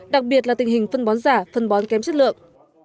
đặc biệt là tình hình phân bón giả phân bón kém chất lượng